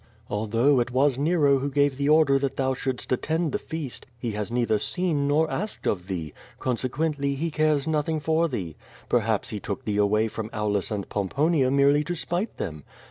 Although it was Nero who gave the order that thou shouldst attend the feast, he has neither seen nor asked of thee~ consequently, he cares nothing for thee. Perhaps he took thee away from Aulus and Pomponia merely to spite them.